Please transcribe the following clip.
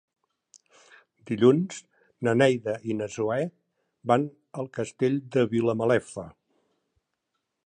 Dilluns na Neida i na Zoè van al Castell de Vilamalefa.